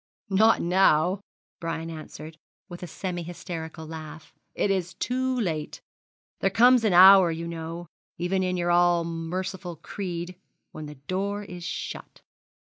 'Not now,' Brian answered, with a semi hysterical laugh. 'It is too late. There comes an hour, you know, even in your all merciful creed, when the door is shut.